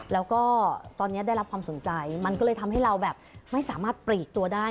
แล้วก็ตอนนี้ได้รับความสนใจมันก็เลยทำให้เราแบบไม่สามารถปลีกตัวได้